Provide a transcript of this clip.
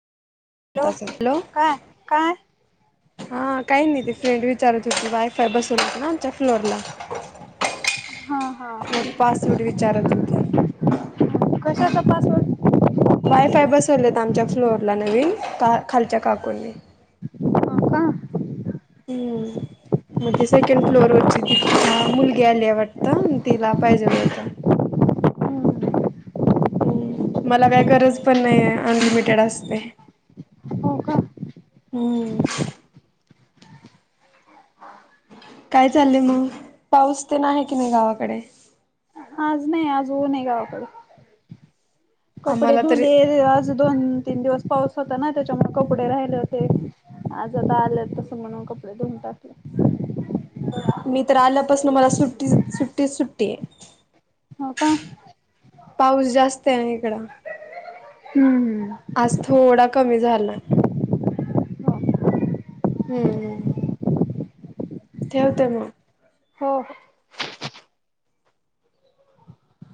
hello तलो काय काय हा काही नाही ते फ्रेंड विचारत होती वायफाय बसवलेत ना आमच्या फ्लोरला हा हा पासवर्ड विचारत होते कशा तपासून वायफाय बसवलेत आमच्या फ्लोर ला नवीन का खालच्या काकूंनी हो का हम्म मग ते सेकंड फ्लोरवरची ती [unintelligible] मुलगी आली आहे वाटतं तिला पाहिजे व्होत हम् मला काही गरज पण नाही आहे अनलिमिटेड असते हो का हम्म काय चाललंय मग पाऊस ते नाही आहे की नाही गावाकडे आज नाही आज ऊन आहे गावाकडे कपडे आम्हाला तरी धुले आज दोन तीन दिवस पाऊस होता ना त्याच्यामुळे कपडे राहिले होते आज आता आले तसं म्हणून कपडे धऊन टाकले मी तर आल्यापासून मला सुट्टी सुट्टीच सुट्टी आहे हो का पाऊस जास्त आहे अन् इकड हम्म हम आज थोडा कमी झाला हम्म हम्म ठेवते म्हाग हो